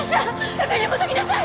すぐに戻りなさい！